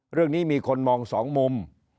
เรื่องนี้มีคนมองสองมุม